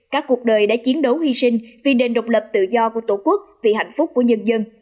các cuộc đời đã chiến đấu hy sinh vì nền độc lập tự do của tổ quốc vì hạnh phúc của nhân dân